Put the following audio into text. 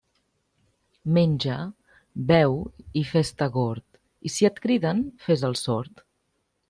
Menja, beu i fes-te gord, i si et criden, fes el sord.